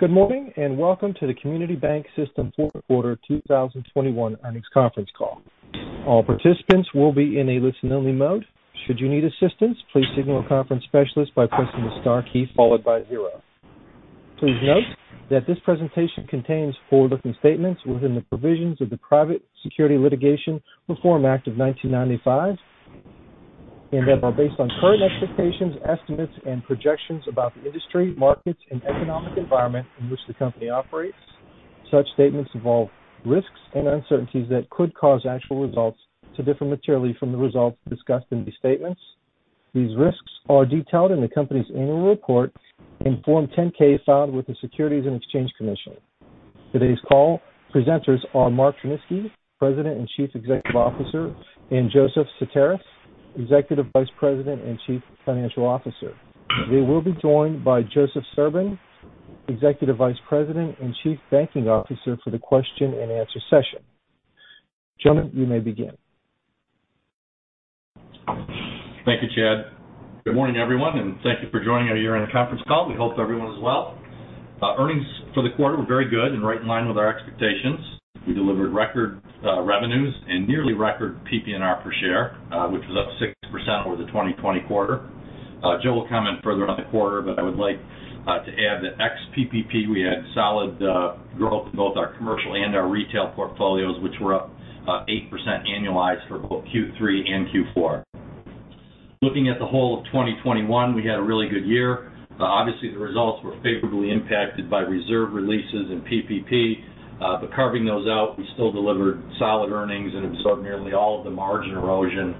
Good morning, and welcome to the Community Bank System fourth quarter 2021 earnings conference call. All participants will be in a listen-only mode. Should you need assistance, please signal a conference specialist by pressing the star key followed by zero. Please note that this presentation contains forward-looking statements within the provisions of the Private Securities Litigation Reform Act of 1995 and that are based on current expectations, estimates, and projections about the industry, markets, and economic environment in which the company operates. Such statements involve risks and uncertainties that could cause actual results to differ materially from the results discussed in these statements. These risks are detailed in the company's annual report in Form 10-K filed with the Securities and Exchange Commission. Today's call presenters are Mark Tryniski, President and Chief Executive Officer, and Joseph Sutaris, Executive Vice President and Chief Financial Officer. They will be joined by Joseph Serbun, Executive Vice President and Chief Banking Officer for the question and answer session. Gentlemen, you may begin. Thank you, Chad. Good morning, everyone, and thank you for joining our year-end conference call. We hope everyone is well. Earnings for the quarter were very good and right in line with our expectations. We delivered record revenues and nearly record PPNR per share, which was up 6% over the 2020 quarter. Joe will comment further on the quarter, but I would like to add that ex PPP, we had solid growth in both our commercial and our retail portfolios, which were up 8% annualized for both Q3 and Q4. Looking at the whole of 2021, we had a really good year. Obviously, the results were favorably impacted by reserve releases and PPP. Carving those out, we still delivered solid earnings and absorbed nearly all of the margin erosion,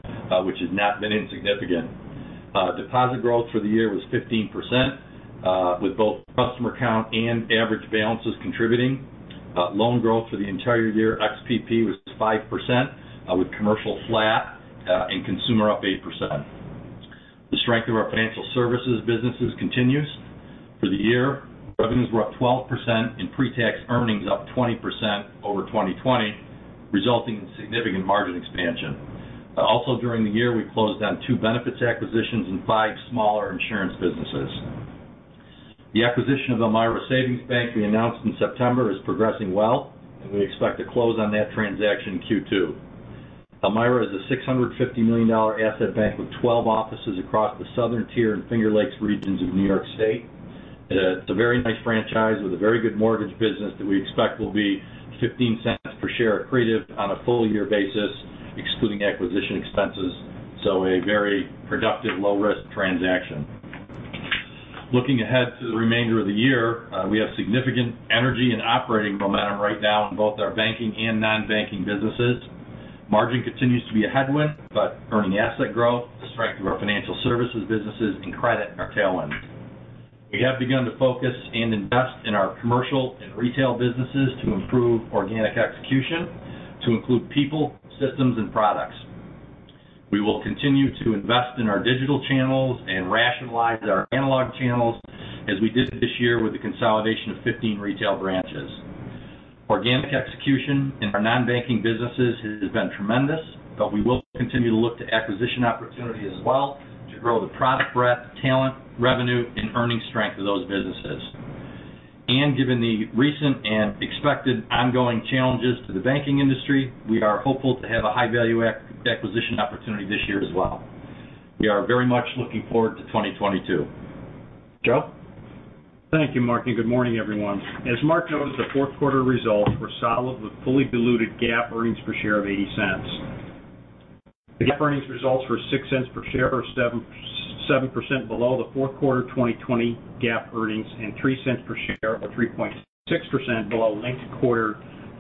which has not been insignificant. Deposit growth for the year was 15%, with both customer count and average balances contributing. Loan growth for the entire year, ex PPP, was 5%, with commercial flat, and consumer up 8%. The strength of our financial services businesses continues. For the year, revenues were up 12% and pre-tax earnings up 20% over 2020, resulting in significant margin expansion. Also during the year, we closed on two benefits acquisitions and five smaller insurance businesses. The acquisition of Elmira Savings Bank we announced in September is progressing well, and we expect to close on that transaction in Q2. Elmira is a $650 million asset bank with 12 offices across the Southern Tier and Finger Lakes regions of New York State. It's a very nice franchise with a very good mortgage business that we expect will be $0.15 per share accretive on a full year basis, excluding acquisition expenses. A very productive low risk transaction. Looking ahead to the remainder of the year, we have significant energy and operating momentum right now in both our banking and non-banking businesses. Margin continues to be a headwind, but earning asset growth, the strength of our financial services businesses and credit are tailwinds. We have begun to focus and invest in our commercial and retail businesses to improve organic execution to include people, systems and products. We will continue to invest in our digital channels and rationalize our analog channels as we did this year with the consolidation of 15 retail branches. Organic execution in our non-banking businesses has been tremendous, but we will continue to look to acquisition opportunity as well to grow the product breadth, talent, revenue, and earning strength of those businesses. Given the recent and expected ongoing challenges to the banking industry, we are hopeful to have a high value acquisition opportunity this year as well. We are very much looking forward to 2022. Joe? Thank you, Mark, and good morning, everyone. As Mark noted, the fourth quarter results were solid with fully diluted GAAP earnings per share of $0.80. The GAAP earnings results were $0.06 per share or 7.7% below the fourth quarter 2020 GAAP earnings and $0.03 per share or 3.6% below linked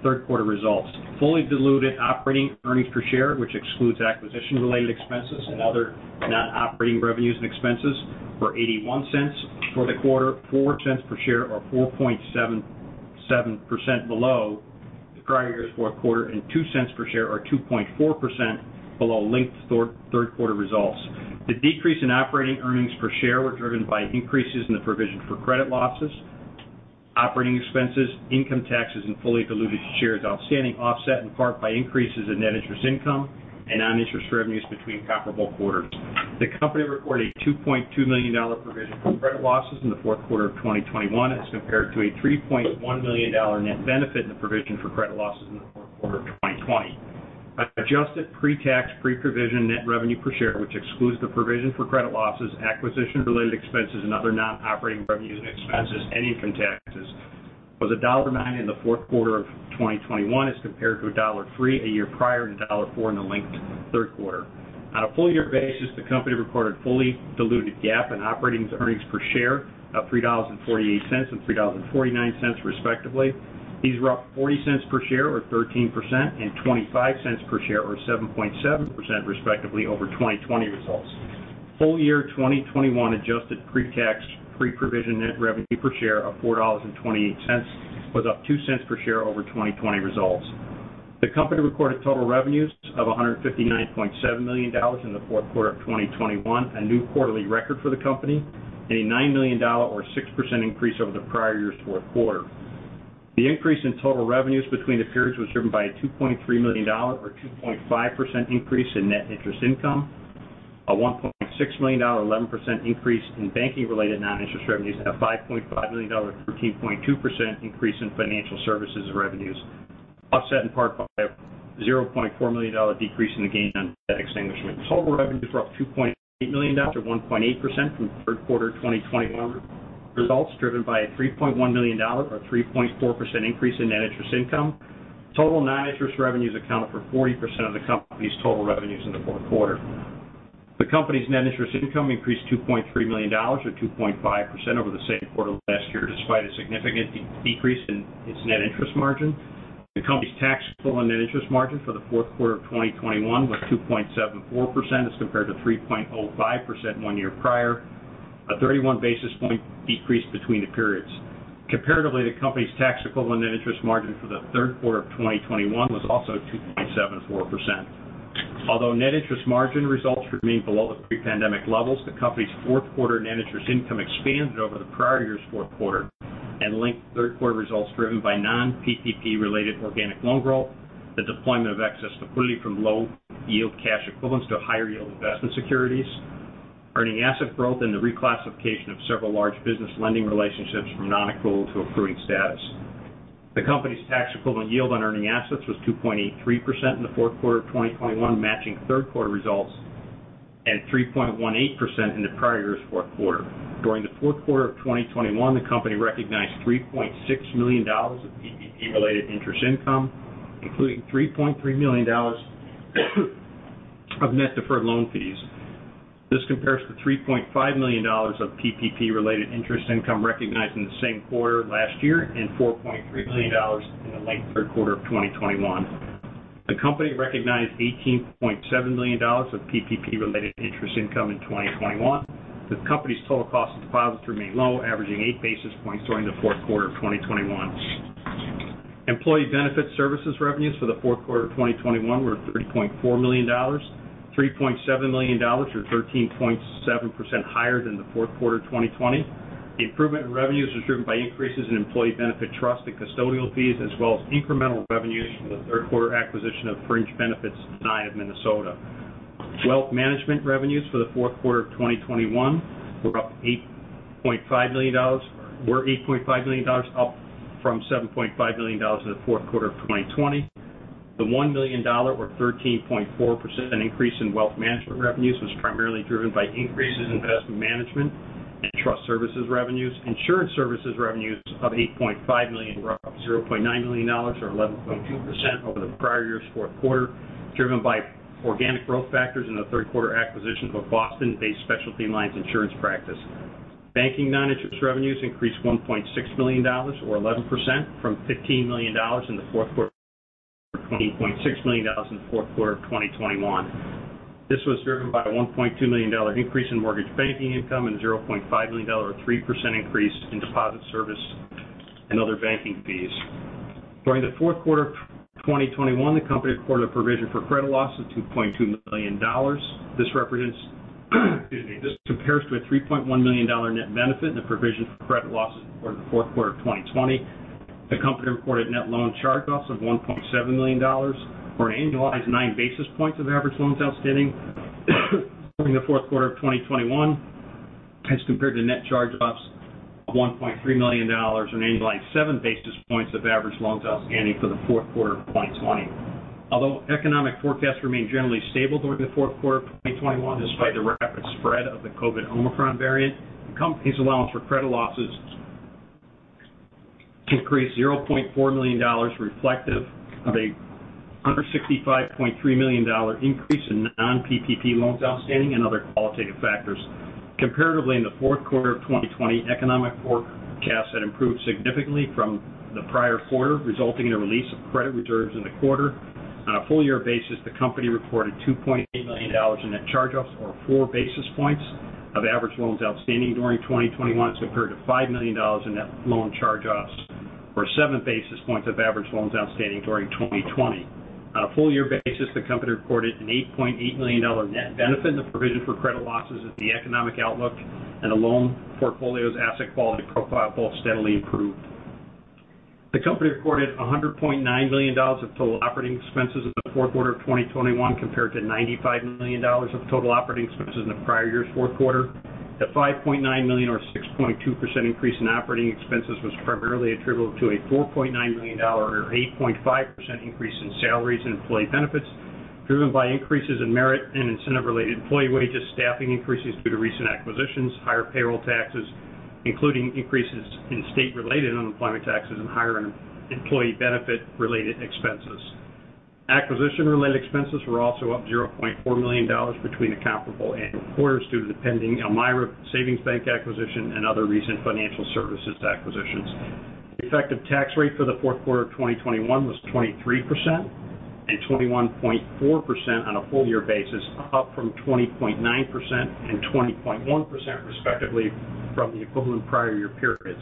third quarter results. Fully diluted operating earnings per share, which excludes acquisition related expenses and other non-operating revenues and expenses, were $0.81 for the quarter, $0.04 per share or 4.77% below the prior year's fourth quarter and $0.02 per share or 2.4% below linked third quarter results. The decrease in operating earnings per share were driven by increases in the provision for credit losses, operating expenses, income taxes, and fully diluted shares outstanding, offset in part by increases in net interest income and non-interest revenues between comparable quarters. The company reported a $2.2 million provision for credit losses in the fourth quarter of 2021 as compared to a $3.1 million net benefit in the provision for credit losses in the fourth quarter of 2020. Adjusted pre-tax, pre-provision net revenue per share, which excludes the provision for credit losses, acquisition related expenses, and other non-operating revenues and expenses and income taxes, was $0.9 in the fourth quarter of 2021 as compared to $0.3 a year prior and $0.4 in the linked third quarter. On a full year basis, the company recorded fully diluted GAAP and operating earnings per share of $3.48 and $3.49 respectively. These were up $0.40 per share or 13% and $0.25 per share or 7.7% respectively over 2020 results. Full year 2021 adjusted pre-tax, pre-provision net revenue per share of $4.28 was up $0.02 per share over 2020 results. The company recorded total revenues of $159.7 million in the fourth quarter of 2021, a new quarterly record for the company, a $9 million or 6% increase over the prior year's fourth quarter. The increase in total revenues between the periods was driven by a $2.3 million or 2.5% increase in net interest income, a $1.6 million, 11% increase in banking-related non-interest revenues, and a $5.5 million, 13.2% increase in financial services revenues, offset in part by a $0.4 million decrease in the gain on debt extinguishment. Total revenues were up $2.8 million or 1.8% from third quarter 2021 results driven by a $3.1 million or 3.4% increase in net interest income. Total non-interest revenues accounted for 40% of the company's total revenues in the fourth quarter. The company's net interest income increased $2.3 million or 2.5% over the same quarter last year despite a significant decrease in its net interest margin. The company's tax equivalent net interest margin for the fourth quarter of 2021 was 2.74% as compared to 3.05% one year prior, a 31 basis point decrease between the periods. Comparatively, the company's tax equivalent net interest margin for the third quarter of 2021 was also 2.74%. Although net interest margin results remain below the pre-pandemic levels, the company's fourth quarter net interest income expanded over the prior year's fourth quarter and linked third quarter results driven by non-PPP related organic loan growth, the deployment of excess liquidity from low yield cash equivalents to higher yield investment securities, earning asset growth, and the reclassification of several large business lending relationships from non-accrual to accruing status. The company's tax equivalent yield on earning assets was 2.83% in the fourth quarter of 2021, matching third quarter results, and 3.18% in the prior year's fourth quarter. During the fourth quarter of 2021, the company recognized $3.6 million of PPP related interest income, including $3.3 million of net deferred loan fees. This compares to $3.5 million of PPP related interest income recognized in the same quarter last year and $4.3 million in the linked third quarter of 2021. The company recognized $18.7 million of PPP related interest income in 2021. The company's total cost of deposits remained low, averaging eight basis points during the fourth quarter of 2021. Employee Benefit Services revenues for the fourth quarter of 2021 were $30.4 million, $3.7 million or 13.7% higher than the fourth quarter of 2020. The improvement in revenues was driven by increases in employee benefit trust and custodial fees as well as incremental revenues from the third quarter acquisition of Fringe Benefits Design of Minnesota. Wealth management revenues for the fourth quarter of 2021 were $8.5 million, up from $7.5 million in the fourth quarter of 2020. The $1 million or 13.4% increase in wealth management revenues was primarily driven by increases in investment management and trust services revenues. Insurance services revenues of $8.5 million were up $0.9 million or 11.2% over the prior year's fourth quarter, driven by organic growth factors in the third quarter acquisition of a Boston-based specialty lines insurance practice. Banking non-interest revenues increased $1.6 million or 11% from $15 million in the fourth quarter of 2020 to $16.6 million in the fourth quarter of 2021. This was driven by a $1.2 million increase in mortgage banking income and a $0.5 million or 3% increase in deposit service and other banking fees. During the fourth quarter of 2021, the company reported a provision for credit losses of $2.2 million. This compares to a $3.1 million net benefit in the provision for credit losses reported in the fourth quarter of 2020. The company reported net loan charge-offs of $1.7 million or annualized nine basis points of average loans outstanding during the fourth quarter of 2021 as compared to net charge-offs of $1.3 million or annualized seven basis points of average loans outstanding for the fourth quarter of 2020. Although economic forecasts remained generally stable during the fourth quarter of 2021 despite the rapid spread of the COVID Omicron variant, the company's allowance for credit losses increased $0.4 million reflective of a $165.3 million increase in non-PPP loans outstanding and other qualitative factors. Comparatively, in the fourth quarter of 2020, economic forecasts had improved significantly from the prior quarter, resulting in a release of credit reserves in the quarter. On a full year basis, the company reported $2.8 million in net charge-offs or four basis points of average loans outstanding during 2021 as compared to $5 million in net loan charge-offs or seven basis points of average loans outstanding during 2020. On a full year basis, the company reported an $8.8 million net benefit in the provision for credit losses as the economic outlook and the loan portfolio's asset quality profile both steadily improved. The company reported $100.9 million of total operating expenses in the fourth quarter of 2021 compared to $95 million of total operating expenses in the prior year's fourth quarter. The $5.9 million or 6.2% increase in operating expenses was primarily attributable to a $4.9 million or 8.5% increase in salaries and employee benefits driven by increases in merit and incentive-related employee wages, staffing increases due to recent acquisitions, higher payroll taxes, including increases in state-related unemployment taxes and higher employee benefit-related expenses. Acquisition-related expenses were also up $0.4 million between the comparable annual quarters due to the pending Elmira Savings Bank acquisition and other recent financial services acquisitions. The effective tax rate for the fourth quarter of 2021 was 23% and 21.4% on a full year basis, up from 20.9% and 20.1% respectively from the equivalent prior year periods.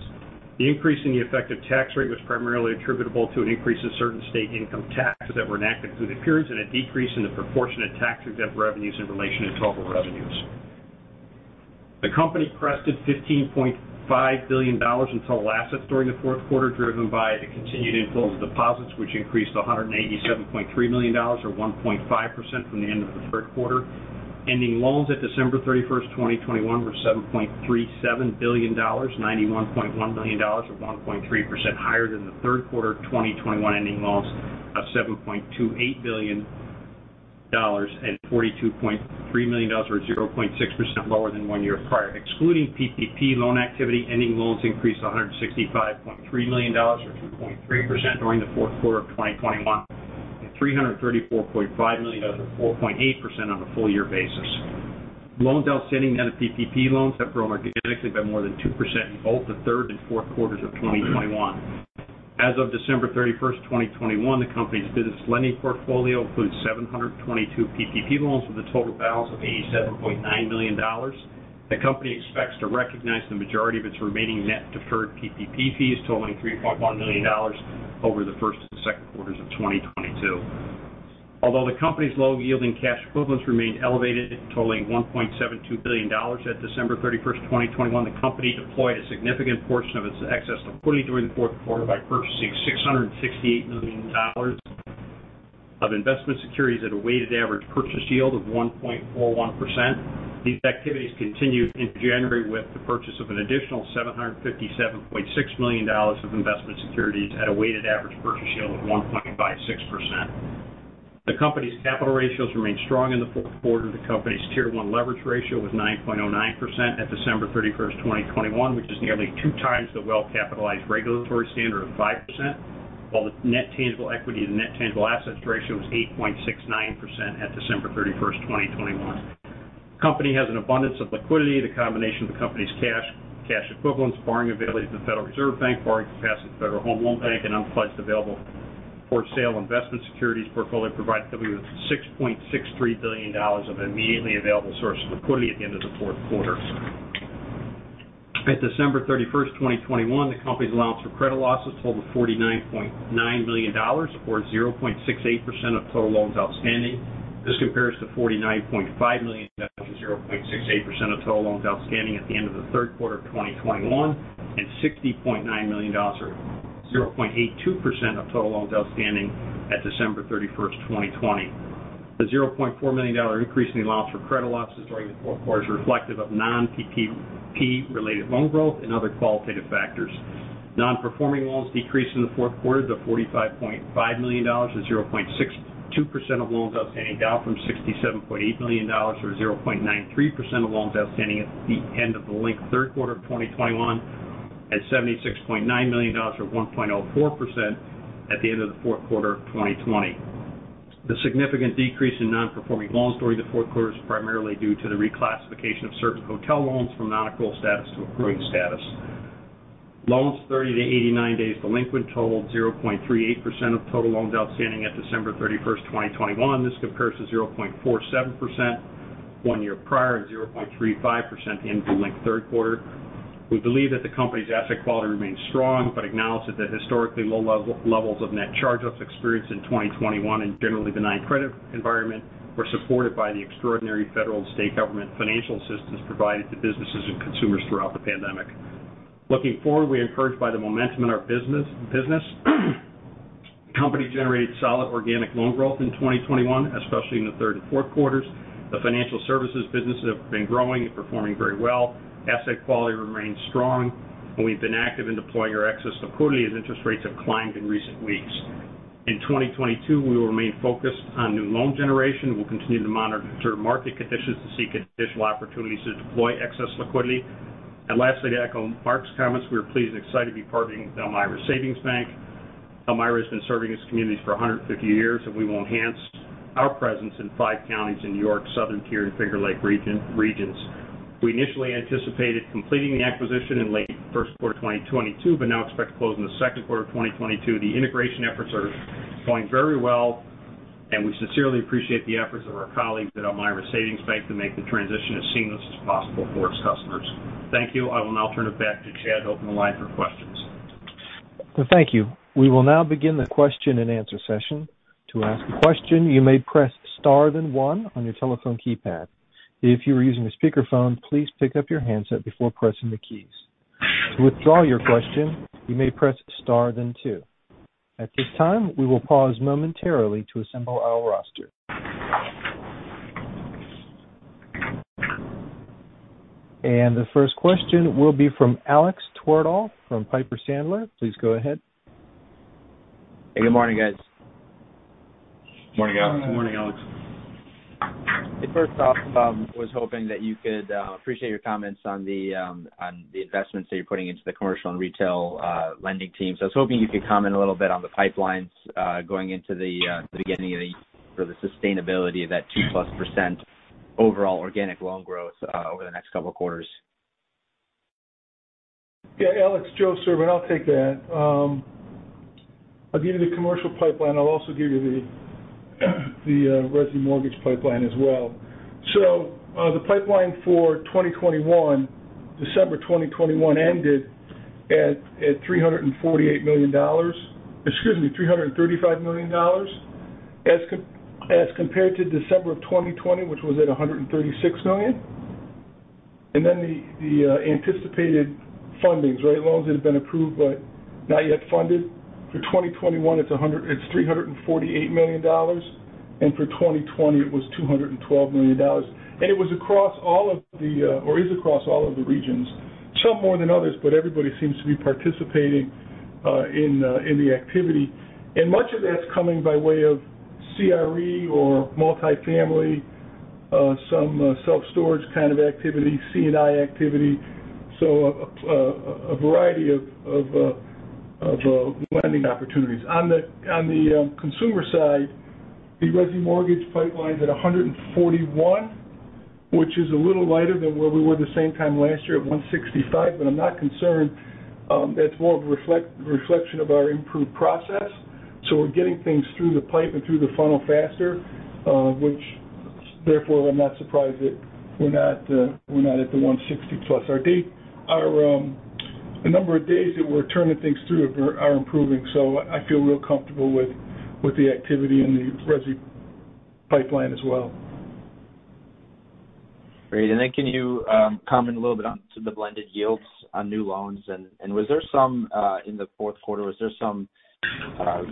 The increase in the effective tax rate was primarily attributable to an increase in certain state income taxes that were enacted through the periods and a decrease in the proportionate tax-exempt revenues in relation to total revenues. The company crossed $15.5 billion in total assets during the fourth quarter, driven by the continued inflows of deposits, which increased $187.3 million, or 1.5% from the end of the third quarter. Ending loans at December 31st, 2021 were $7.37 billion, $91.1 million, or 1.3% higher than the third quarter of 2021 ending loans of $7.28 billion, $42.3 million, or 0.6% lower than one year prior. Excluding PPP loan activity, ending loans increased $165.3 million or 2.3% during the fourth quarter of 2021, and $334.5 million, or 4.8% on a full year basis. Loans outstanding net of PPP loans have grown organically by more than 2% in both the third and fourth quarters of 2021. As of December 31st, 2021, the company's business lending portfolio includes 722 PPP loans with a total balance of $87.9 million. The company expects to recognize the majority of its remaining net deferred PPP fees totaling $3.1 million over the first and second quarters of 2022. Although the company's low yielding cash equivalents remained elevated, totaling $1.72 billion at December 31st, 2021, the company deployed a significant portion of its excess liquidity during the fourth quarter by purchasing $668 million of investment securities at a weighted average purchase yield of 1.41%. These activities continued in January with the purchase of an additional $757.6 million of investment securities at a weighted average purchase yield of 1.56%. The company's capital ratios remained strong in the fourth quarter. The company's tier one leverage ratio was 9.09% at December 31st, 2021, which is nearly 2x the well-capitalized regulatory standard of 5%. While the net tangible equity to net tangible assets ratio was 8.69% at December 31st, 2021. The company has an abundance of liquidity. The combination of the company's cash equivalents, borrowing available at the Federal Reserve Bank, borrowing capacity at the Federal Home Loan Bank, and unpledged available for sale investment securities portfolio provided the company with $6.63 billion of immediately available sources of liquidity at the end of the fourth quarter. At December 31st, 2021, the company's allowance for credit losses totaled $49.9 million, or 0.68% of total loans outstanding. This compares to $49.5 million and 0.68% of total loans outstanding at the end of the third quarter of 2021, and $60.9 million, or 0.82% of total loans outstanding at December 31st, 2020. The $0.4 million increase in the allowance for credit losses during the fourth quarter is reflective of non-PPP related loan growth and other qualitative factors. Non-performing loans decreased in the fourth quarter to $45.5 million, or 0.62% of loans outstanding, down from $67.8 million, or 0.93% of loans outstanding at the end of the linked third quarter of 2021. At $76.9 million, or 1.04% at the end of the fourth quarter of 2020. The significant decrease in non-performing loans during the fourth quarter is primarily due to the reclassification of certain hotel loans from non-accrual status to accruing status. Loans 30-89 days delinquent totaled 0.38% of total loans outstanding at December 31st, 2021. This compares to 0.47% one year prior, and 0.35% at the end of the linked third quarter. We believe that the company's asset quality remains strong, but acknowledge that the historically low levels of net charge-offs experienced in 2021, in a generally benign credit environment were supported by the extraordinary federal and state government financial assistance provided to businesses and consumers throughout the pandemic. Looking forward, we are encouraged by the momentum in our business. The company generated solid organic loan growth in 2021, especially in the third and fourth quarters. The financial services businesses have been growing and performing very well. Asset quality remains strong. We've been active in deploying our excess liquidity as interest rates have climbed in recent weeks. In 2022, we will remain focused on new loan generation. We'll continue to monitor market conditions to seek additional opportunities to deploy excess liquidity. Lastly, to echo Mark's comments, we are pleased and excited to be partnering with Elmira Savings Bank. Elmira has been serving its communities for 150 years, and we will enhance our presence in five counties in New York, Southern Tier, and Finger Lakes Region. We initially anticipated completing the acquisition in late first quarter of 2022, but now expect to close in the second quarter of 2022. The integration efforts are going very well, and we sincerely appreciate the efforts of our colleagues at Elmira Savings Bank to make the transition as seamless as possible for its customers. Thank you. I will now turn it back to Chad to open the line for questions. Thank you. We will now begin the question and answer session. To ask a question, you may press star then one on your telephone keypad. If you are using a speakerphone, please pick up your handset before pressing the keys. To withdraw your question, you may press star then two. At this time, we will pause momentarily to assemble our roster. The first question will be from Alexander Twerdahl from Piper Sandler. Please go ahead. Good morning, guys. Morning, Alex. First off, I was hoping that you could appreciate your comments on the investments that you're putting into the commercial and retail lending team. I was hoping you could comment a little bit on the pipelines going into the beginning or the sustainability of that 2%+ overall organic loan growth over the next couple of quarters. Alex, Joe Serbun. I'll take that. I'll give you the commercial pipeline. I'll also give you the resi mortgage pipeline as well. The pipeline for 2021, December 2021 ended at $348 million. Excuse me, $335 million. As compared to December 2020, which was at $136 million. Then the anticipated fundings, right? Loans that have been approved but not yet funded. For 2021, it's $348 million. For 2020, it was $212 million. It is across all of the regions. Some more than others, but everybody seems to be participating in the activity. Much of that's coming by way of CRE or multifamily, some self-storage kind of activity, C&I activity. A variety of lending opportunities. On the consumer side, the resi mortgage pipeline's at $141, which is a little lighter than where we were the same time last year at $165, but I'm not concerned. That's more of a reflection of our improved process. We're getting things through the pipe and through the funnel faster, which therefore I'm not surprised that we're not at the 160+. Our number of days that we're turning things through are improving, so I feel real comfortable with the activity in the resi pipeline as well. Great. Then can you comment a little bit on the blended yields on new loans? Was there some in the fourth quarter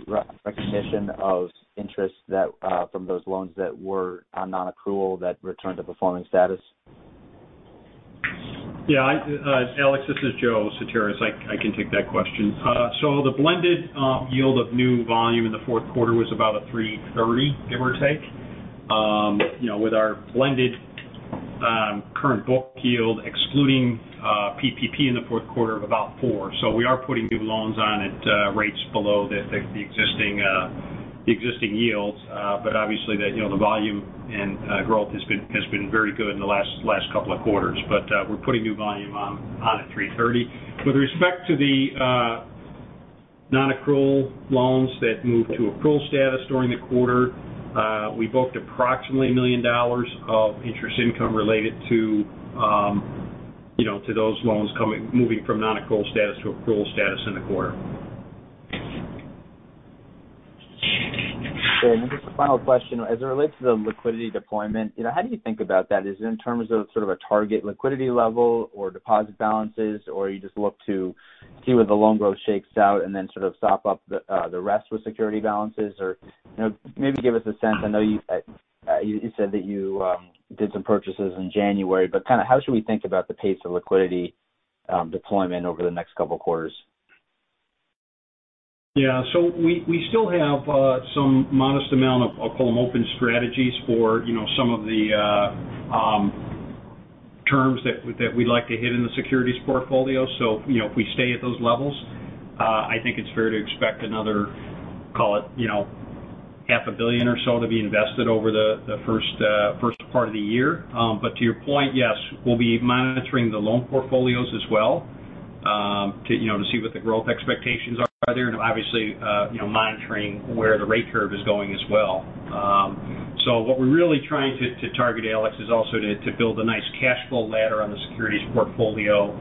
re-recognition of interest that from those loans that were on nonaccrual that returned to performing status? Alex, this is Joe Sutaris. I can take that question. The blended yield of new volume in the fourth quarter was about 3.30%, give or take. You know, with our blended current book yield, excluding PPP in the fourth quarter of about 4%. We are putting new loans on at rates below the existing yields. Obviously, you know, the volume and growth has been very good in the last couple of quarters. We're putting new volume on at 3.30%. With respect to the nonaccrual loans that moved to accrual status during the quarter, we booked approximately $1 million of interest income related to, you know, to those loans moving from nonaccrual status to accrual status in the quarter. Great. Just a final question. As it relates to the liquidity deployment, you know, how do you think about that? Is it in terms of sort of a target liquidity level or deposit balances, or you just look to see where the loan growth shakes out and then sort of sop up the rest with security balances? Or, you know, maybe give us a sense. I know you said that you did some purchases in January, but kind of how should we think about the pace of liquidity deployment over the next couple quarters? Yeah. We still have some modest amount of, I'll call them open strategies for, you know, some of the terms that we'd like to hit in the securities portfolio. You know, if we stay at those levels, I think it's fair to expect another, call it, you know, $500 billion or so to be invested over the first part of the year. But to your point, yes, we'll be monitoring the loan portfolios as well, to you know to see what the growth expectations are there and obviously, you know, monitoring where the rate curve is going as well. What we're really trying to target, Alex, is also to build a nice cash flow ladder on the securities portfolio,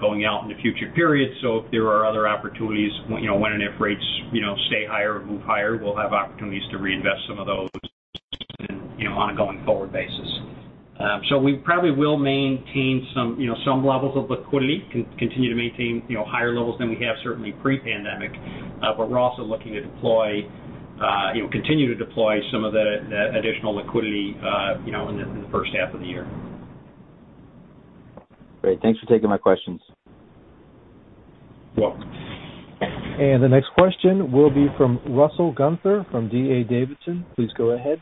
going out into future periods. If there are other opportunities, you know, when and if rates, you know, stay higher or move higher, we'll have opportunities to reinvest some of those, you know, on a going forward basis. We probably will maintain some, you know, some levels of liquidity, continue to maintain, you know, higher levels than we have certainly pre-pandemic. We're also looking to deploy, you know, continue to deploy some of the additional liquidity, you know, in the first half of the year. Great. Thanks for taking my questions. You're welcome. The next question will be from Russell Gunther from D.A. Davidson. Please go ahead.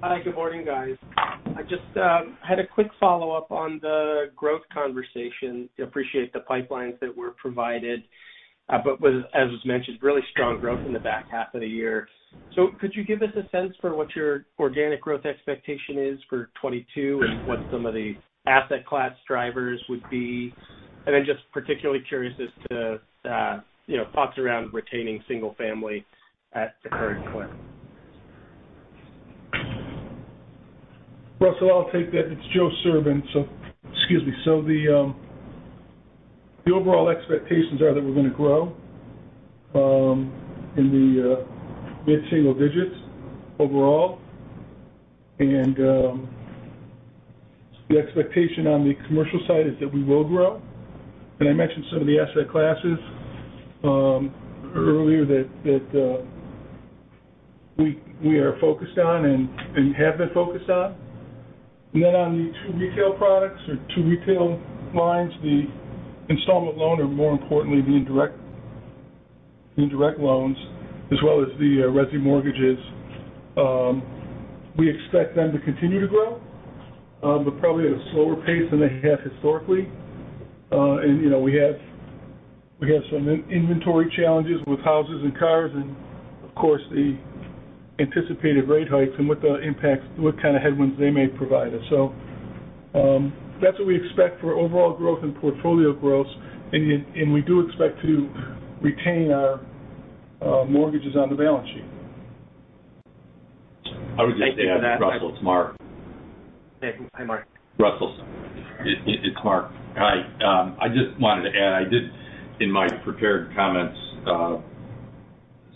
Hi. Good morning, guys. I just had a quick follow-up on the growth conversation. Appreciate the pipelines that were provided. As was mentioned, really strong growth in the back half of the year. Could you give us a sense for what your organic growth expectation is for 2022 and what some of the asset class drivers would be? Just particularly curious as to, you know, thoughts around retaining single family at the current point. Russell, I'll take that. It's Joe Serbun. Excuse me. So the overall expectations are that we're gonna grow in the mid-single digits overall. The expectation on the commercial side is that we will grow. I mentioned some of the asset classes earlier that we are focused on and have been focused on. Then on the two retail products or two retail lines, the installment loan, or more importantly, the indirect loans, as well as the resi mortgages, we expect them to continue to grow but probably at a slower pace than they have historically. You know, we have some inventory challenges with houses and cars and of course, the anticipated rate hikes and what kind of headwinds they may provide us. That's what we expect for overall growth and portfolio growth. We do expect to retain our mortgages on the balance sheet. I would just add, Russell, it's Mark. Hey. Hi, Mark. Russell, it's Mark. Hi. I just wanted to add, I did, in my prepared comments,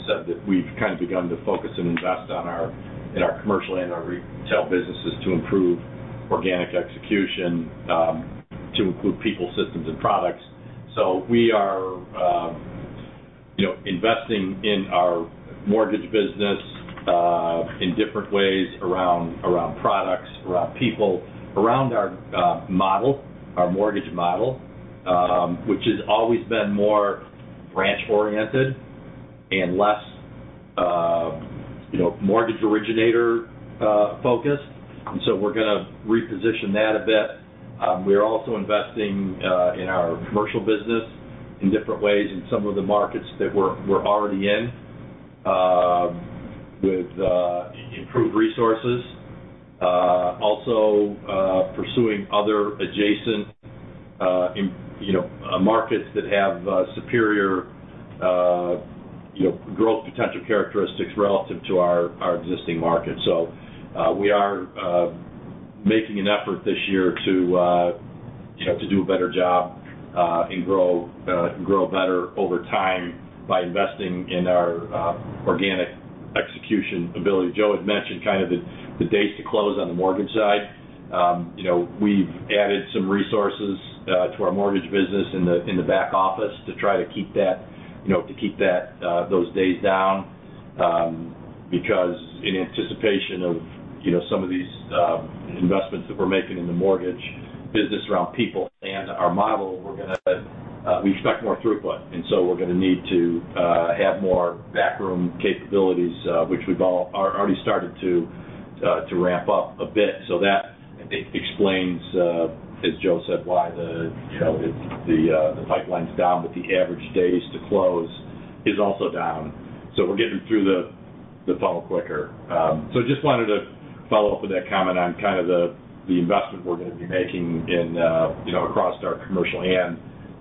said that we've kind of begun to focus and invest in our commercial and our retail businesses to improve organic execution, to include people, systems, and products. We are, you know, investing in our mortgage business in different ways around products, around people, around our model, our mortgage model, which has always been more branch-oriented and less, you know, mortgage originator focused. We're gonna reposition that a bit. We are also investing in our commercial business in different ways in some of the markets that we're already in with improved resources. Also, pursuing other adjacent, you know, markets that have superior, you know, growth potential characteristics relative to our existing markets. We are making an effort this year to, you know, to do a better job, and grow better over time by investing in our organic execution ability. Joe had mentioned the days to close on the mortgage side. You know, we've added some resources to our mortgage business in the back office to try to keep that, you know, those days down. Because in anticipation of, you know, some of these investments that we're making in the mortgage business around people and our model, we expect more throughput. We're gonna need to have more back room capabilities, which we've already started to ramp up a bit. That explains, as Joe said, why the, you know, the pipeline's down, but the average days to close is also down. We're getting through the funnel quicker. Just wanted to follow up with that comment on the investment we're gonna be making across our commercial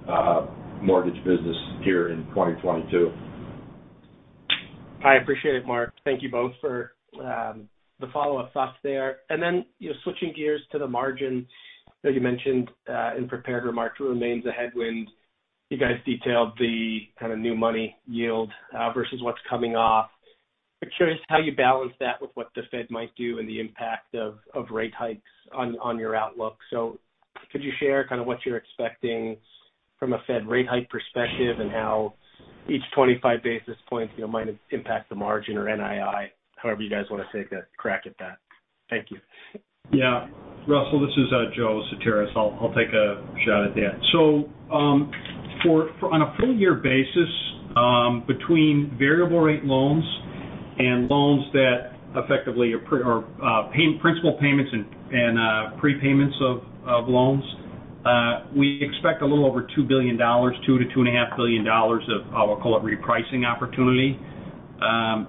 and mortgage business here in 2022. I appreciate it, Mark. Thank you both for the follow-up thoughts there. You know, switching gears to the margin that you mentioned in prepared remarks remains a headwind. You guys detailed the kind of new money yield versus what's coming off. I'm curious how you balance that with what the Fed might do and the impact of rate hikes on your outlook. Could you share kind of what you're expecting from a Fed rate hike perspective and how each 25 basis points might impact the margin or NII? However you guys want to take a crack at that. Thank you. Yeah. Russell, this is Joe Sutaris. I'll take a shot at that. On a full year basis, between variable rate loans and loans that effectively are or pay principal payments and prepayments of loans, we expect a little over $2 billion, $2-$2.5 billion of, I'll call it repricing opportunity,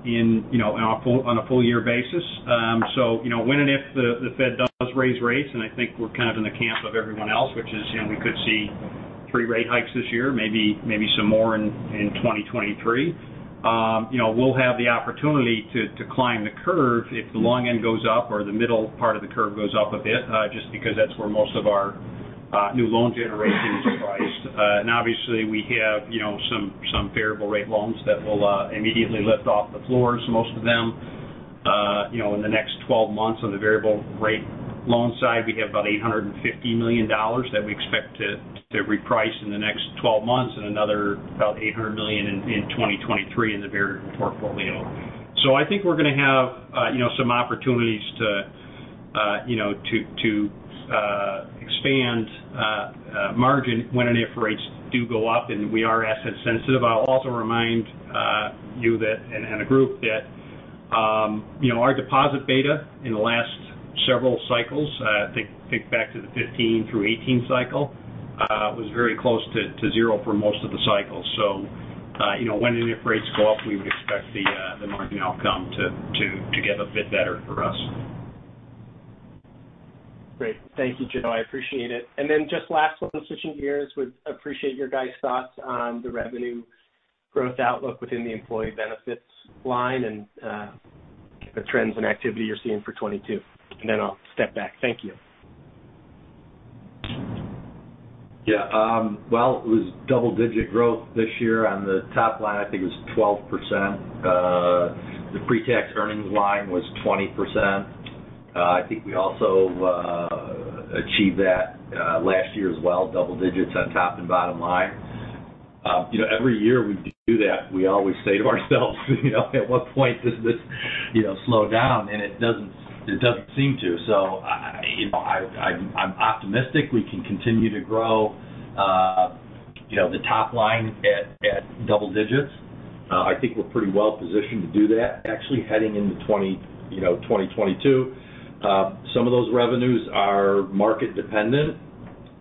in, you know, on a full year basis. You know, when and if the Fed does raise rates, and I think we're kind of in the camp of everyone else, which is, you know, we could see three rate hikes this year, maybe some more in 2023. You know, we'll have the opportunity to climb the curve if the long end goes up or the middle part of the curve goes up a bit, just because that's where most of our new loan generation is priced. Obviously, we have you know, some variable rate loans that will immediately lift off the floors, most of them. You know, in the next 12 months on the variable rate loan side, we have about $850 million that we expect to reprice in the next 12 months and another about $800 million in 2023 in the variable portfolio. I think we're gonna have you know, some opportunities to you know, to expand margin when and if rates do go up, and we are asset sensitive. I'll also remind you that, and the group that, you know, our deposit beta in the last several cycles, I think back to the 2015-2018 cycle, was very close to 0 for most of the cycles. You know, when and if rates go up, we would expect the margin outcome to get a bit better for us. Great. Thank you, Joe. I appreciate it. Just last one, switching gears, would appreciate your guys' thoughts on the revenue growth outlook within the employee benefits line and, the trends and activity you're seeing for 2022. I'll step back. Thank you. Yeah. Well, it was double-digit growth this year. On the top line, I think it was 12%. The pre-tax earnings line was 20%. I think we also achieved that last year as well, double digits on top and bottom line. You know, every year we do that, we always say to ourselves, you know, "At what point does this, you know, slow down?" It doesn't seem to. You know, I'm optimistic we can continue to grow, you know, the top line at double digits. I think we're pretty well positioned to do that actually heading into 2022. Some of those revenues are market dependent,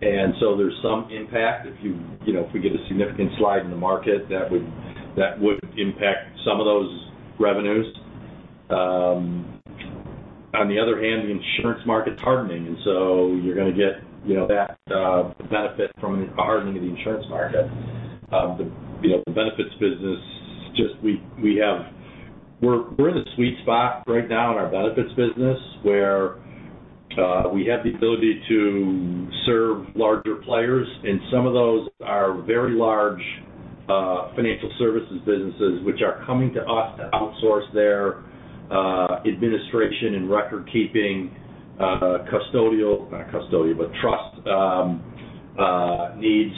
and so there's some impact. You know, if we get a significant slide in the market, that would impact some of those revenues. On the other hand, the insurance market's hardening, and so you're going to get, you know, that benefit from the hardening of the insurance market. You know, the benefits business. We're in a sweet spot right now in our benefits business where we have the ability to serve larger players, and some of those are very large financial services businesses which are coming to us to outsource their administration and record-keeping, trust needs.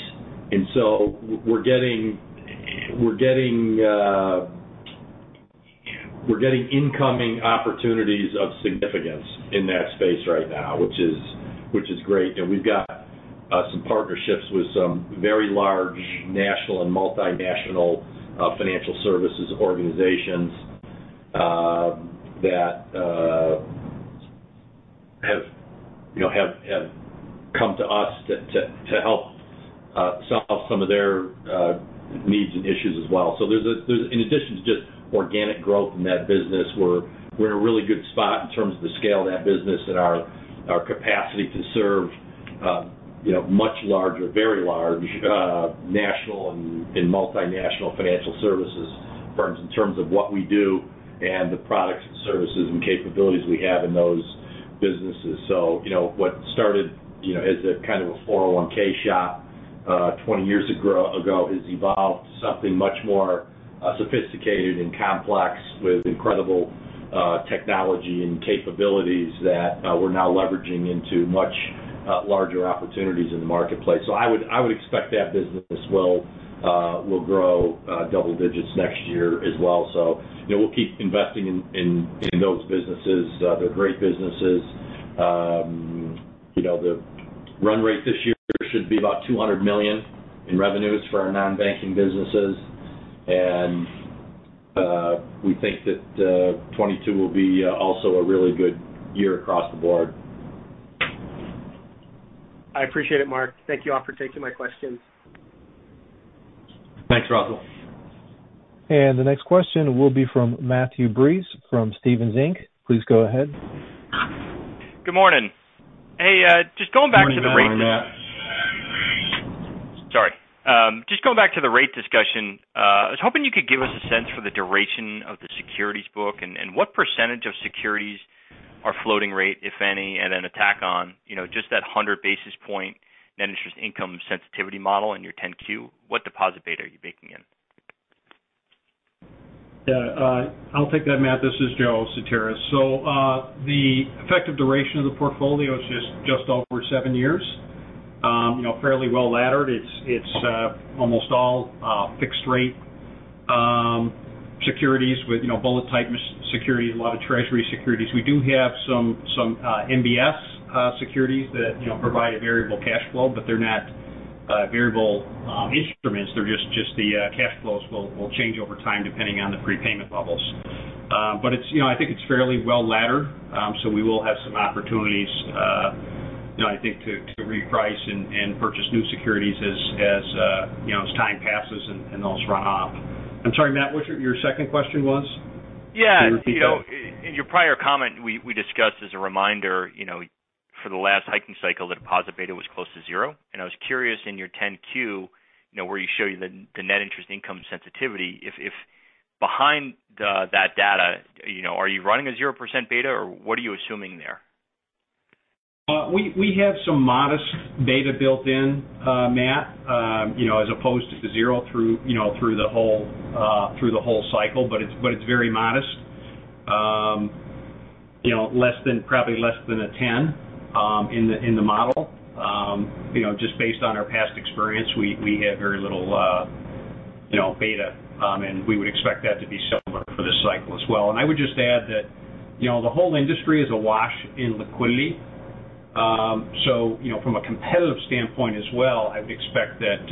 We're getting incoming opportunities of significance in that space right now, which is great. We've got some partnerships with some very large national and multinational financial services organizations that have you know come to us to help solve some of their needs and issues as well. In addition to just organic growth in that business, we're in a really good spot in terms of the scale of that business and our capacity to serve you know much larger very large national and multinational financial services firms in terms of what we do and the products and services and capabilities we have in those businesses. You know, what started as a kind of a 401(k) shop 20 years ago has evolved to something much more sophisticated and complex with incredible technology and capabilities that we're now leveraging into much larger opportunities in the marketplace. I would expect that business will grow double digits next year as well. You know, we'll keep investing in those businesses. They're great businesses. You know, the run rate this year should be about $200 million in revenues for our non-banking businesses. We think that 2022 will be also a really good year across the board. I appreciate it, Mark. Thank you all for taking my questions. Thanks, Russell. The next question will be from Matthew Breese from Stephens Inc. Please go ahead. Good morning. Hey, just going back to the rate- Good morning, Matt. Sorry. Just going back to the rate discussion, I was hoping you could give us a sense for the duration of the securities book and what percentage of securities are floating rate, if any, and then the impact on, you know, just that 100 basis points net interest income sensitivity model in your 10-Q. What deposit beta are you baking in? Yeah. I'll take that, Matt. This is Joe Sutaris. The effective duration of the portfolio is just over seven years. You know, fairly well laddered. It's almost all fixed rate securities with bullet type securities, a lot of Treasury securities. We do have some MBS securities that provide a variable cash flow, but they're not variable instruments. They're just the cash flows will change over time depending on the prepayment levels. But it's, you know, I think it's fairly well laddered, so we will have some opportunities, you know, I think to reprice and purchase new securities as you know, as time passes and those run off. I'm sorry, Matt, what your second question was? Yeah. Can you repeat that? You know, in your prior comment, we discussed as a reminder, you know, for the last hiking cycle, the deposit beta was close to zero. I was curious in your 10-Q, you know, where you show the net interest income sensitivity. If behind that data, you know, are you running a 0% beta, or what are you assuming there? We have some modest beta built in, Matt, you know, as opposed to zero through the whole cycle, but it's very modest. You know, probably less than 10 in the model. You know, just based on our past experience, we have very little beta, and we would expect that to be similar for this cycle as well. I would just add that, you know, the whole industry is awash in liquidity. So, you know, from a competitive standpoint as well, I would expect that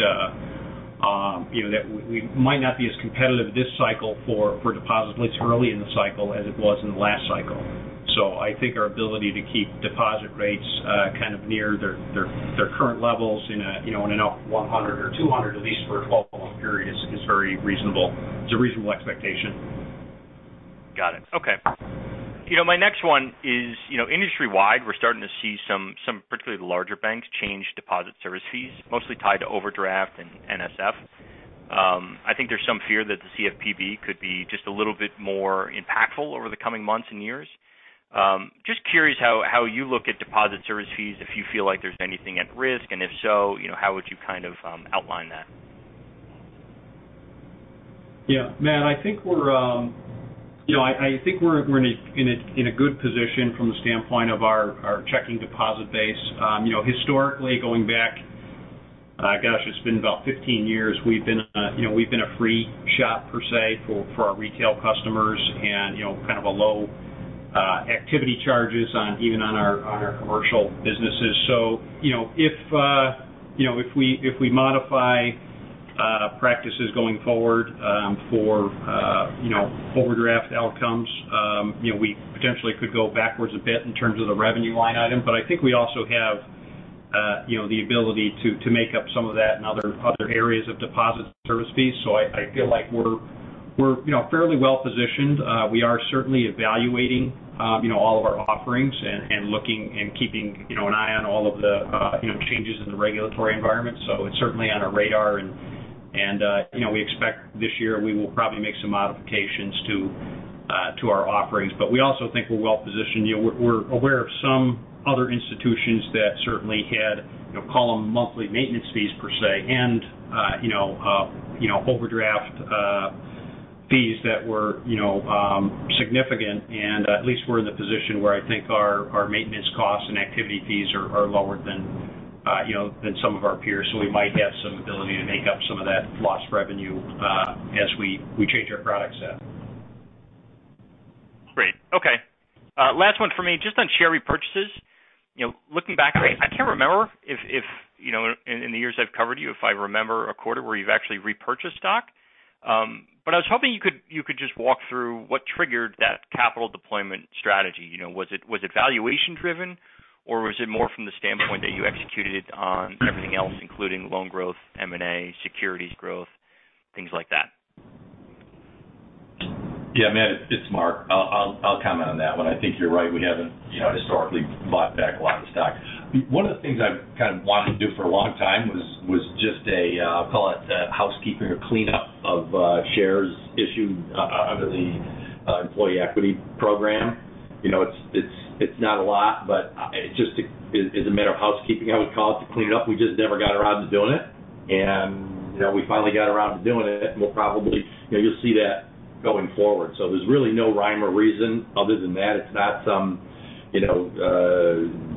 we might not be as competitive this cycle for deposits later in the cycle as it was in the last cycle. I think our ability to keep deposit rates kind of near their current levels in a, you know, in a 100 or 200 at least for a 12-month period is very reasonable. It's a reasonable expectation. Got it. Okay. You know, my next one is, you know, industry-wide, we're starting to see some particularly the larger banks change deposit service fees, mostly tied to overdraft and NSF. I think there's some fear that the CFPB could be just a little bit more impactful over the coming months and years. Just curious how you look at deposit service fees, if you feel like there's anything at risk, and if so, you know, how would you kind of outline that? Yeah. Matt, I think we're in a good position from the standpoint of our checking deposit base. You know, historically, going back, gosh, it's been about 15 years, we've been a free shop per se for our retail customers and kind of low activity charges on even our commercial businesses. You know, if we modify practices going forward for overdraft outcomes, you know, we potentially could go backwards a bit in terms of the revenue line item. But I think we also have the ability to make up some of that in other areas of deposit service fees. I feel like we're you know, fairly well-positioned. We are certainly evaluating you know, all of our offerings and looking and keeping you know, an eye on all of the you know, changes in the regulatory environment. It's certainly on our radar and you know, we expect this year we will probably make some modifications to our offerings. We also think we're well-positioned. You know, we're aware of some other institutions that certainly had you know, call them monthly maintenance fees per se, and you know, overdraft fees that were you know, significant and at least we're in the position where I think our maintenance costs and activity fees are lower than some of our peers. We might have some ability to make up some of that lost revenue, as we change our product set. Great. Okay. Last one for me, just on share repurchases. You know, looking back, I can't remember if you know, in the years I've covered you, if I remember a quarter where you've actually repurchased stock. But I was hoping you could just walk through what triggered that capital deployment strategy. You know, was it valuation driven, or was it more from the standpoint that you executed on everything else, including loan growth, M&A, securities growth, things like that? Yeah, Matt, it's Mark. I'll comment on that one. I think you're right. We haven't, you know, historically bought back a lot of the stock. One of the things I've kind of wanted to do for a long time was just a, I'll call it a housekeeping or cleanup of shares issued under the employee equity program. You know, it's not a lot, but it just is a matter of housekeeping, I would call it, to clean it up. We just never got around to doing it. You know, we finally got around to doing it. We'll probably. You know, you'll see that going forward. There's really no rhyme or reason other than that. It's not some, you know,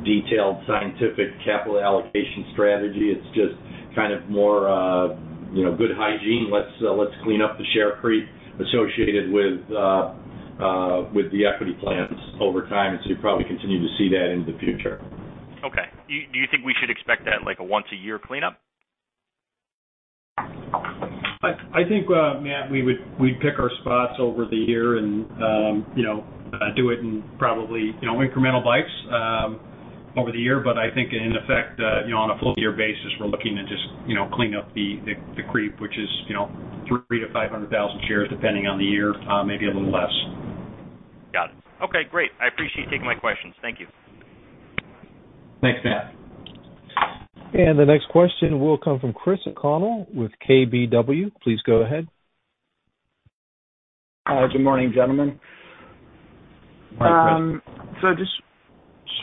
detailed scientific capital allocation strategy. It's just kind of more, you know, good hygiene. Let's clean up the share creep associated with the equity plans over time. You'll probably continue to see that into the future. Okay. Do you think we should expect that like a once a year cleanup? I think, Matt, we'd pick our spots over the year and, you know, do it in probably, you know, incremental bites, over the year. I think in effect, you know, on a full year basis, we're looking to just, you know, clean up the creep, which is, you know, 300,000-500,000 shares, depending on the year, maybe a little less. Got it. Okay, great. I appreciate you taking my questions. Thank you. Thanks, Matt. The next question will come from Chris O'Connell with KBW. Please go ahead. Hi. Good morning, gentlemen. Mike. I just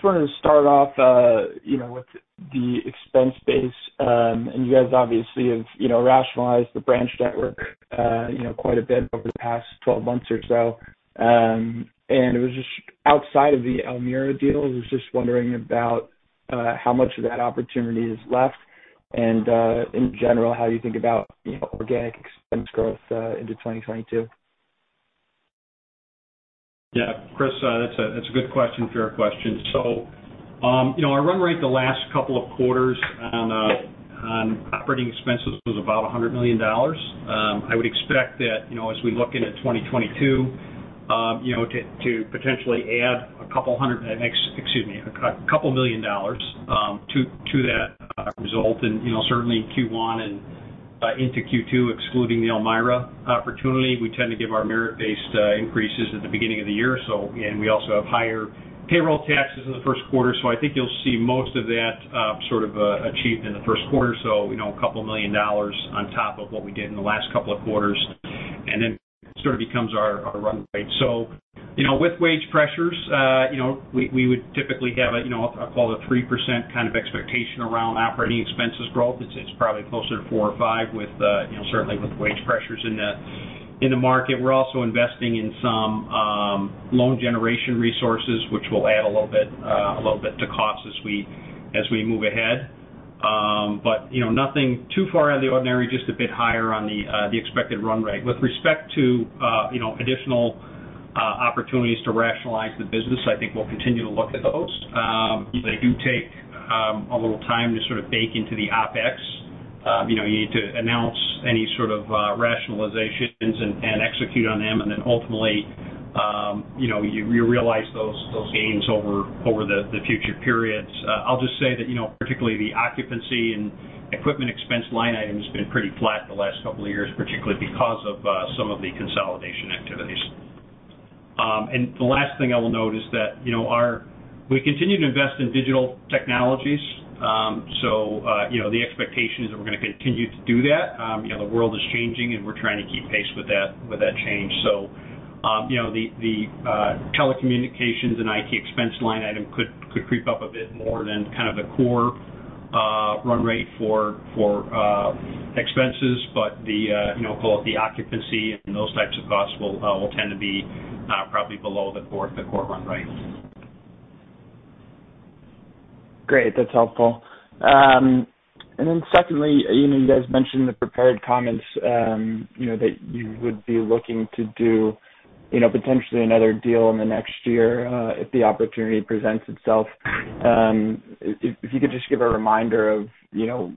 wanted to start off, you know, with the expense base. You guys obviously have, you know, rationalized the branch network, you know, quite a bit over the past 12 months or so. It was just outside of the Elmira deal. I was just wondering about how much of that opportunity is left and, in general, how you think about, you know, organic expense growth into 2022. Yeah. Chris, that's a good question. Fair question. You know, our run rate the last couple of quarters on operating expenses was about $100 million. I would expect that, you know, as we look into 2022, you know, to potentially add a couple million dollars to that result. You know, certainly in Q1 and into Q2, excluding the Elmira opportunity. We tend to give our merit-based increases at the beginning of the year. We also have higher payroll taxes in the first quarter. I think you'll see most of that sort of achieved in the first quarter. You know, $2 million on top of what we did in the last couple of quarters and then sort of becomes our run rate. You know, with wage pressures, you know, we would typically have, you know, I'll call it a 3% kind of expectation around operating expenses growth. It's probably closer to 4% or 5% with, you know, certainly with wage pressures in the market. We're also investing in some loan generation resources, which will add a little bit to costs as we move ahead. You know, nothing too far out of the ordinary, just a bit higher on the expected run rate. With respect to, you know, additional opportunities to rationalize the business, I think we'll continue to look at those. They do take a little time to sort of bake into the OpEx. You know, you need to announce any sort of rationalizations and execute on them. Ultimately, you know, you realize those gains over the future periods. I'll just say that, you know, particularly the occupancy and equipment expense line item has been pretty flat the last couple of years, particularly because of some of the consolidation activities. The last thing I will note is that, you know, we continue to invest in digital technologies. You know, the expectation is that we're going to continue to do that. You know, the world is changing, and we're trying to keep pace with that change. You know, the telecommunications and IT expense line item could creep up a bit more than kind of the core run rate for expenses. But you know, call it the occupancy and those types of costs will tend to be probably below the core run rate. Great. That's helpful. Secondly, you know, you guys mentioned the prepared comments, you know, that you would be looking to do, you know, potentially another deal in the next year, if the opportunity presents itself. If you could just give a reminder of, you know,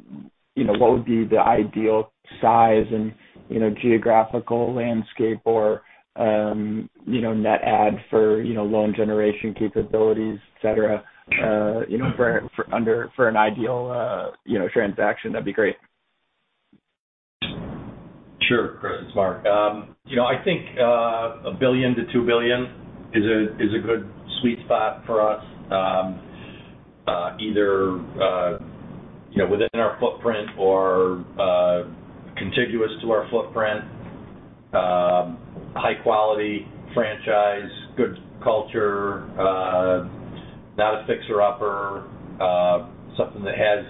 what would be the ideal size and, you know, geographical landscape or, you know, net add for, you know, loan generation capabilities, et cetera, you know, for an ideal, you know, transaction? That'd be great. Sure, Chris, it's Mark. You know, I think $1 billion-$2 billion is a good sweet spot for us, either you know, within our footprint or contiguous to our footprint. High quality franchise, good culture, not a fixer-upper, something that has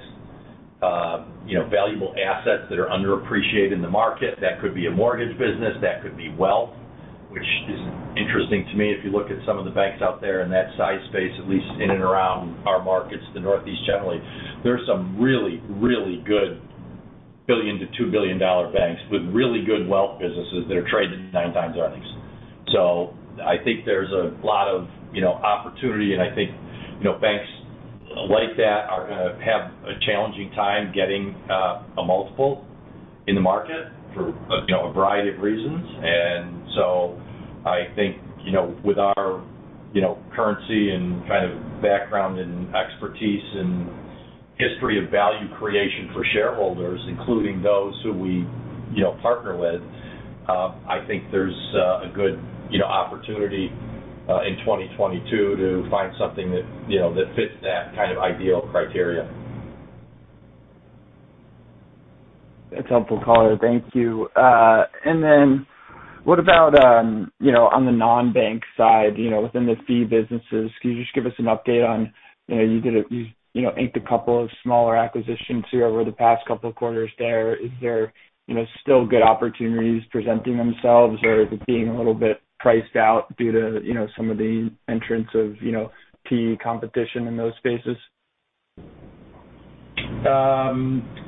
you know, valuable assets that are underappreciated in the market. That could be a mortgage business, that could be wealth, which is interesting to me. If you look at some of the banks out there in that size space, at least in and around our markets, the Northeast generally, there's some really really good $1 billion-$2 billion banks with really good wealth businesses that are trading at 9x earnings. I think there's a lot of you know, opportunity. I think, you know, banks like that are gonna have a challenging time getting a multiple in the market for, you know, a variety of reasons. I think, you know, with our, you know, currency and kind of background and expertise and history of value creation for shareholders, including those who we, you know, partner with, I think there's a good, you know, opportunity in 2022 to find something that, you know, that fits that kind of ideal criteria. That's helpful color. Thank you. What about, you know, on the non-bank side, you know, within the fee businesses, can you just give us an update on, you know, you did, you know, inked a couple of smaller acquisitions here over the past couple of quarters there. Is there, you know, still good opportunities presenting themselves, or is it being a little bit priced out due to, you know, some of the entrants of, you know, PE competition in those spaces?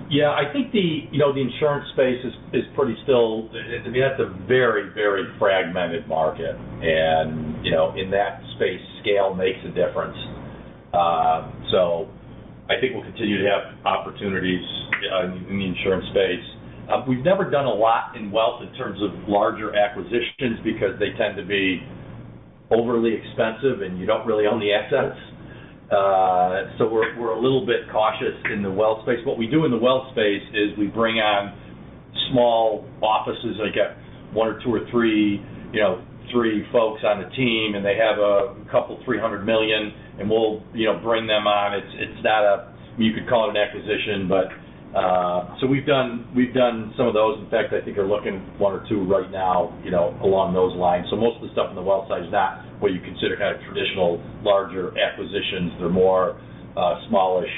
Yeah, I think you know, the insurance space is pretty stable. I mean, that's a very, very fragmented market. You know, in that space, scale makes a difference. I think we'll continue to have opportunities in the insurance space. We've never done a lot in wealth in terms of larger acquisitions because they tend to be overly expensive, and you don't really own the assets. We're a little bit cautious in the wealth space. What we do in the wealth space is we bring on small offices, like a one or two or three, you know, three folks on the team, and they have a couple, $300 million, and we'll, you know, bring them on. It's not. You could call it an acquisition, but. We've done some of those. In fact, I think you're looking at one or two right now, you know, along those lines. Most of the stuff on the wealth side is not what you consider kind of traditional larger acquisitions. They're more smallish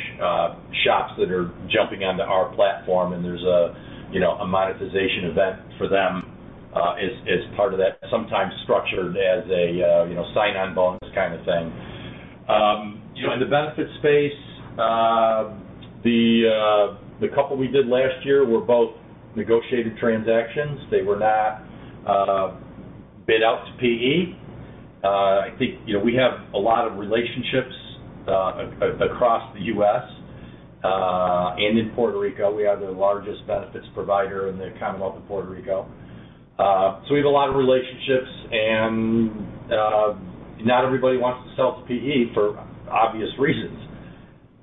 shops that are jumping onto our platform, and there's a you know a monetization event for them as part of that, sometimes structured as a you know sign-on bonus kind of thing. You know, in the benefits space, the couple we did last year were both negotiated transactions. They were not bid out to PE. I think, you know, we have a lot of relationships across the U.S., and in Puerto Rico. We are the largest benefits provider in the Commonwealth of Puerto Rico. We have a lot of relationships and not everybody wants to sell to PE for obvious reasons.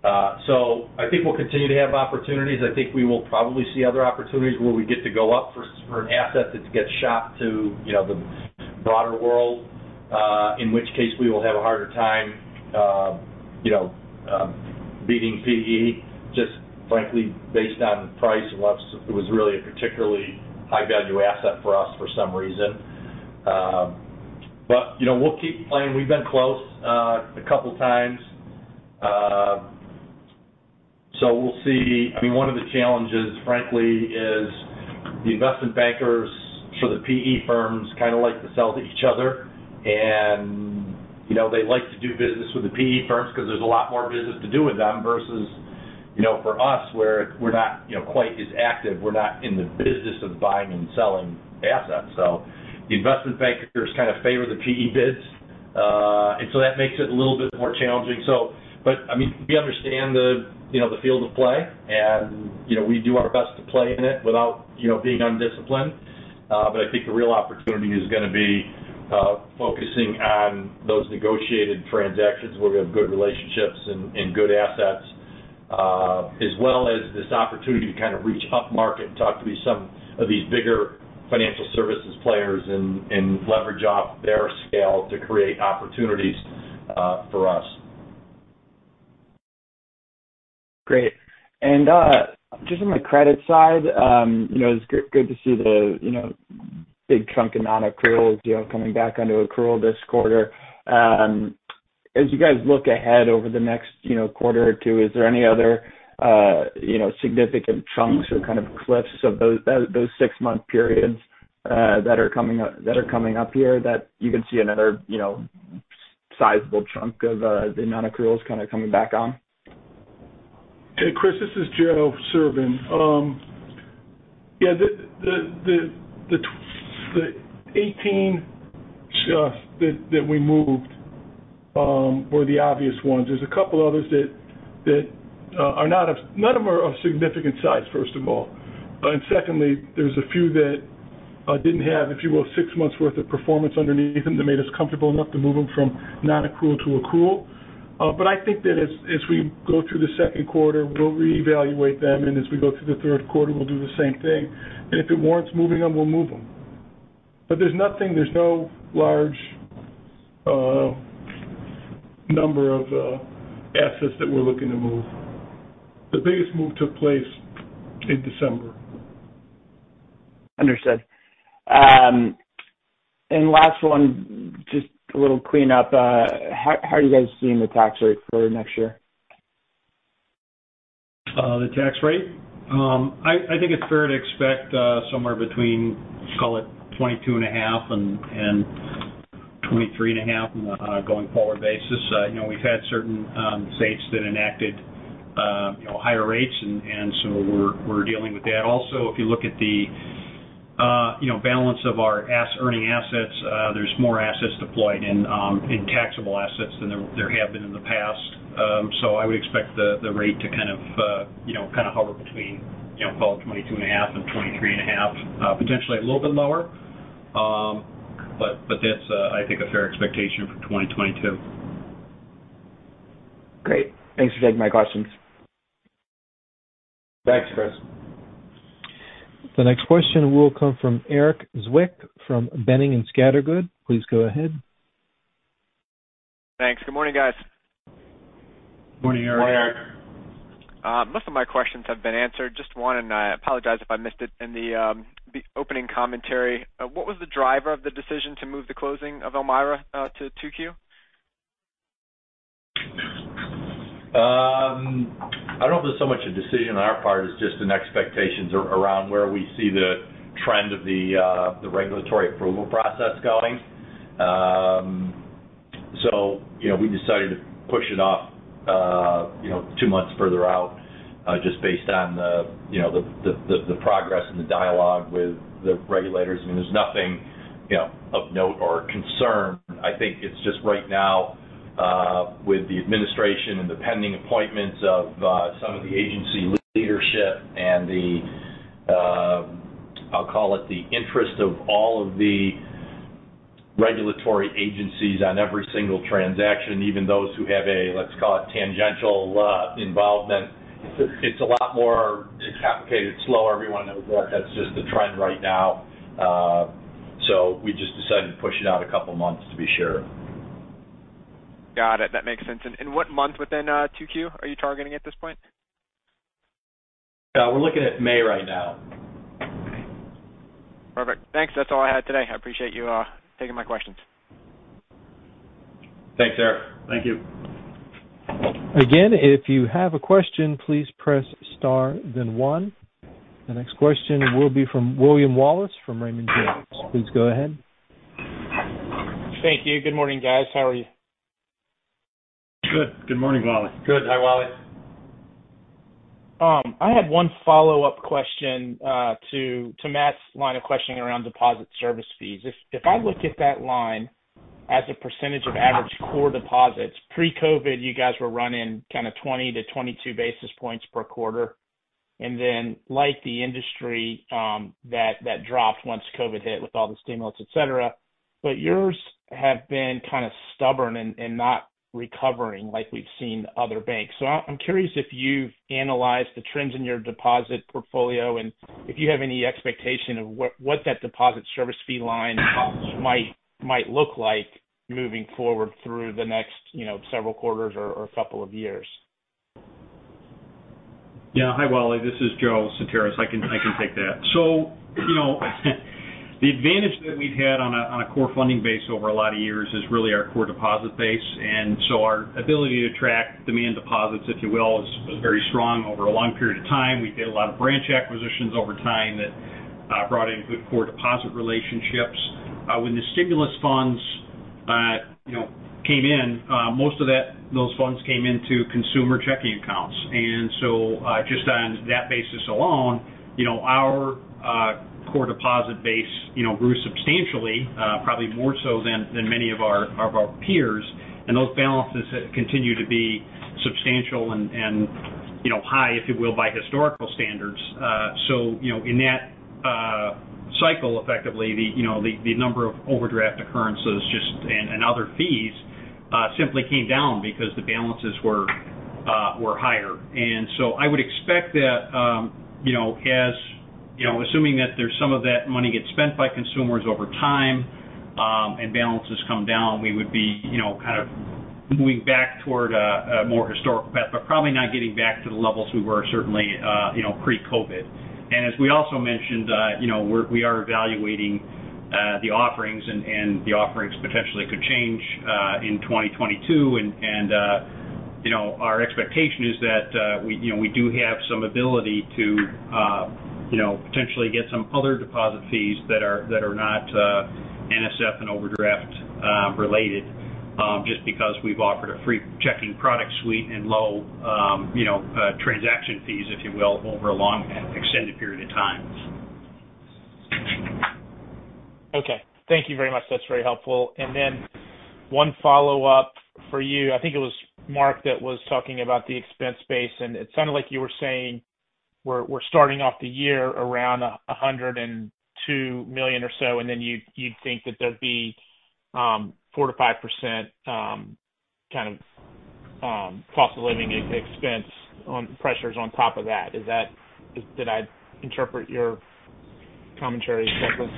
I think we'll continue to have opportunities. I think we will probably see other opportunities where we get to go up for an asset that gets shopped to, you know, the broader world, in which case we will have a harder time, you know, beating PE just frankly based on price, unless it was really a particularly high-value asset for us for some reason. You know, we'll keep playing. We've been close a couple times. We'll see. I mean, one of the challenges, frankly, is the investment bankers for the PE firms kind of like to sell to each other. You know, they like to do business with the PE firms because there's a lot more business to do with them versus, you know, for us, where we're not, you know, quite as active. We're not in the business of buying and selling assets. The investment bankers kind of favor the PE bids. That makes it a little bit more challenging. I mean, we understand the, you know, the field of play and, you know, we do our best to play in it without, you know, being undisciplined. I think the real opportunity is gonna be focusing on those negotiated transactions where we have good relationships and good assets, as well as this opportunity to kind of reach upmarket and talk to these some of these bigger financial services players and leverage off their scale to create opportunities for us. Great. Just on the credit side, you know, it's good to see the, you know, big chunk of non-accruals, you know, coming back onto accrual this quarter. As you guys look ahead over the next, you know, quarter or two, is there any other, you know, significant chunks or kind of cliffs of those those six-month periods that are coming up here that you can see another, you know, sizeable chunk of the non-accruals kind of coming back on? Hey, Chris, this is Joe Serbun. Yeah. The 18 that we moved were the obvious ones. There's a couple others that are not of significant size. None of them are of significant size, first of all. Secondly, there's a few that didn't have, if you will, six months worth of performance underneath them that made us comfortable enough to move them from non-accrual to accrual. I think that as we go through the second quarter, we'll reevaluate them. As we go through the third quarter, we'll do the same thing. If it warrants moving them, we'll move them. There's nothing, there's no large number of assets that we're looking to move. The biggest move took place in December. Understood. Last one, just a little cleanup. How are you guys seeing the tax rate for next year? The tax rate? I think it's fair to expect somewhere between, call it 22.5% and 23.5% on a going forward basis. You know, we've had certain states that enacted you know, higher rates and so we're dealing with that. Also, if you look at the you know, balance of our earning assets, there's more assets deployed in taxable assets than there have been in the past. I would expect the rate to kind of you know, kind of hover between you know, call it 22.5% and 23.5%. Potentially a little bit lower. That's, I think, a fair expectation for 2022. Great. Thanks for taking my questions. Thanks, Chris. The next question will come from Erik Zwick from Boenning & Scattergood. Please go ahead. Thanks. Good morning, guys. Morning, Erik. Morning, Erik. Most of my questions have been answered. Just one, and I apologize if I missed it in the opening commentary. What was the driver of the decision to move the closing of Elmira to 2Q? I don't know if there's so much a decision on our part as just an expectation around where we see the trend of the regulatory approval process going. You know, we decided to push it off two months further out just based on the progress and the dialogue with the regulators. I mean, there's nothing of note or concern. I think it's just right now with the administration and the pending appointments of some of the agency leadership and the interest of all of the regulatory agencies on every single transaction, even those who have a tangential involvement. It's a lot more complicated. It's slow. Everyone knows that that's just the trend right now. We just decided to push it out a couple months to be sure. Got it. That makes sense. In what month within 2Q are you targeting at this point? We're looking at May right now. Okay. Perfect. Thanks. That's all I had today. I appreciate you taking my questions. Thanks, Erik. Thank you. Again, if you have a question, please press star then one. The next question will be from William Wallace from Raymond James. Please go ahead. Thank you. Good morning, guys. How are you? Good morning, Wally. Good. Hi, Wally. I had one follow-up question to Matt's line of questioning around deposit service fees. If I look at that line as a percentage of average core deposits, pre-COVID, you guys were running kind of 20-22 basis points per quarter. Then like the industry, that dropped once COVID hit with all the stimulus, et cetera. Yours have been kind of stubborn and not recovering like we've seen other banks. I’m curious if you’ve analyzed the trends in your deposit portfolio and if you have any expectation of what that deposit service fee line might look like moving forward through the next, you know, several quarters or couple of years. Yeah. Hi, Wally. This is Joe Sutaris. I can take that. You know, the advantage that we've had on a core funding base over a lot of years is really our core deposit base. Our ability to track demand deposits, if you will, was very strong over a long period of time. We did a lot of branch acquisitions over time that brought in good core deposit relationships. When the stimulus funds, you know, came in, most of those funds came into consumer checking accounts. Just on that basis alone, you know, our core deposit base, you know, grew substantially, probably more so than many of our peers. Those balances have continued to be substantial and high, if you will, by historical standards. So, you know, in that cycle, effectively, the you know, the number of overdraft occurrences just and other fees simply came down because the balances were higher. I would expect that, you know, as you know, assuming that there's some of that money gets spent by consumers over time and balances come down, we would be you know, kind of moving back toward a more historical path, but probably not getting back to the levels we were certainly you know, pre-COVID. As we also mentioned, you know, we are evaluating the offerings and the offerings potentially could change in 2022. You know, our expectation is that we you know do have some ability to you know potentially get some other deposit fees that are not NSF and overdraft related. Just because we've offered a free checking product suite and low you know transaction fees, if you will, over a long and extended period of time. Okay. Thank you very much. That's very helpful. One follow-up for you. I think it was Mark that was talking about the expense base, and it sounded like you were saying we're starting off the year around $102 million or so, and then you'd think that there'd be 4%-5% kind of cost of living expense on pressures on top of that. Is that? Did I interpret your commentary correctly?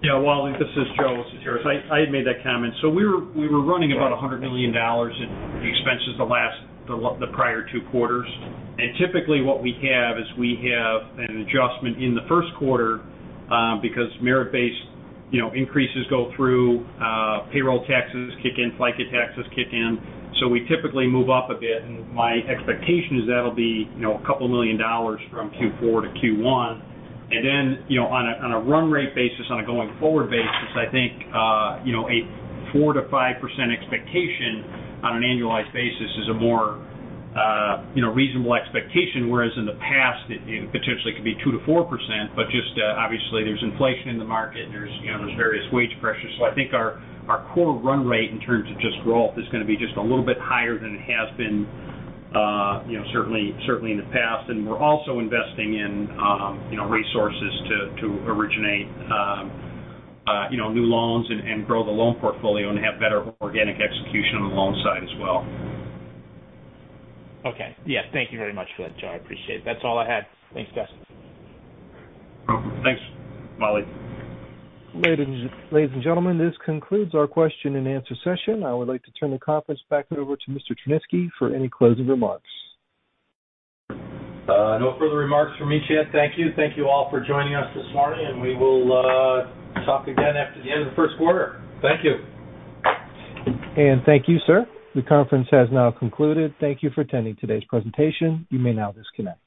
Yeah. William, this is Joe Sutaris. I had made that comment. We were running about $100 million in expenses the prior two quarters. Typically what we have is we have an adjustment in the first quarter because merit-based, you know, increases go through, payroll taxes kick in, FICA taxes kick in. We typically move up a bit. My expectation is that'll be, you know, a couple million dollars from Q4 to Q1. Then, you know, on a run rate basis, on a going forward basis, I think, you know, a 4%-5% expectation on an annualized basis is a more reasonable expectation. Whereas in the past, it potentially could be 2%-4%, but just obviously there's inflation in the market and there's you know various wage pressures. I think our core run rate in terms of just growth is gonna be just a little bit higher than it has been you know certainly in the past. We're also investing in you know resources to originate you know new loans and grow the loan portfolio and have better organic execution on the loan side as well. Okay. Yeah. Thank you very much for that, Joe. I appreciate it. That's all I had. Thanks, guys. No problem. Thanks, Wally. Ladies and gentlemen, this concludes our question-and-answer session. I would like to turn the conference back over to Mr. Tryniski for any closing remarks. No further remarks from me, Chad. Thank you. Thank you all for joining us this morning, and we will talk again after the end of the first quarter. Thank you. Thank you, sir. The conference has now concluded. Thank you for attending today's presentation. You may now disconnect.